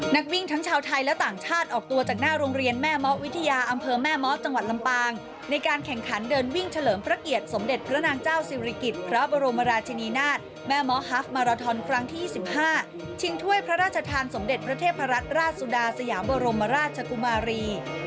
นักวิ่งทั้งชาวไทยและต่างชาติออกตัวจากหน้าโรงเรียนแม่เมาะวิทยาอำเภอแม่เมาะจังหวัดลำปางในการแข่งขันเดินวิ่งเฉลิมพระเกียรติสมเด็จพระนางเจ้าศิริกิจพระบรมราชินีนาฏแม่ม้อฮัฟมาราทอนครั้งที่๒๕ชิงถ้วยพระราชทานสมเด็จพระเทพรัตนราชสุดาสยามบรมราชกุมารี